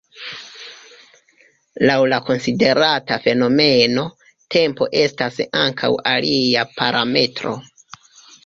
Laŭ la konsiderata fenomeno, tempo estas ankaŭ alia parametro.